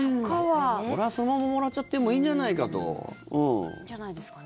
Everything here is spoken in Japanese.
これはそのままもらっちゃってもいいんじゃないですかね。